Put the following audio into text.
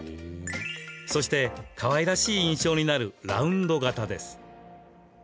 そして、かわいらしい印象になるラウンド型です。